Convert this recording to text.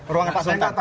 ruangnya pak sontan